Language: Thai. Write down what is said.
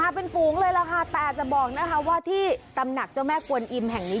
เป็นฝูงเลยล่ะค่ะแต่จะบอกนะคะว่าที่ตำหนักเจ้าแม่กวนอิมแห่งนี้